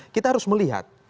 kita harus melihat